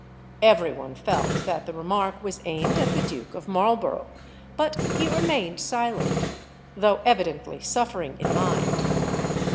Every one felt that the remark was aimed at the Duke of Marlborough, but he remained silent, though evidently suffering in mind.